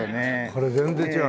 これ全然違う。